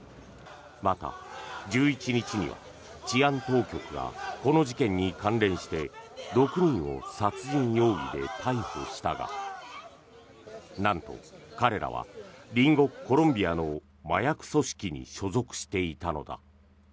また、１１日には治安当局がこの事件に関連して６人を殺人容疑で逮捕したがなんと彼らは隣国コロンビアの麻薬組織に所属していたのだ。